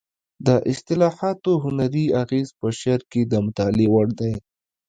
د اصطلاحاتو هنري اغېز په شعر کې د مطالعې وړ دی